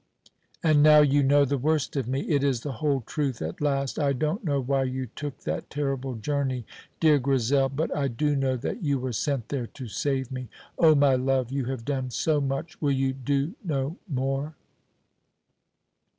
"And now you know the worst of me. It is the whole truth at last. I don't know why you took that terrible journey, dear Grizel, but I do know that you were sent there to save me. Oh, my love, you have done so much, will you do no more?"